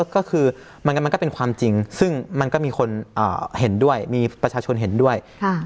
ก็คือมันก็เป็นความจริงซึ่งมันก็มีคนเห็นด้วยมีประชาชนเห็นด้วย